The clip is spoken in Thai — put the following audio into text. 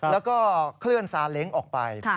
แล้วก็เคลื่อนซาเล้งออกไป